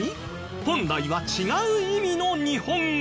本来は違う意味の日本語